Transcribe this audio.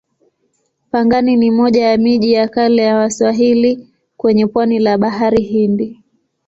Pangani ni moja ya miji ya kale ya Waswahili kwenye pwani la Bahari Hindi.